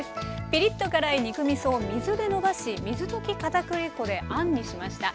ピリッと辛い肉みそを水でのばし水溶きかたくり粉であんにしました。